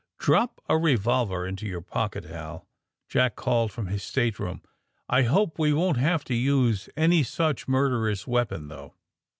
''Drop a revolver into your pocket, Hal," Jack called from his stateroom. ''I hope we won't have to use any such murderous weapon, though.